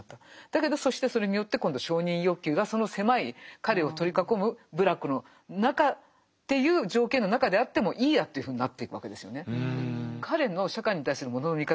だけどそしてそれによって今度承認欲求がその狭い彼を取り囲む部落の中っていう条件の中であってもいいやというふうになっていくわけですよね。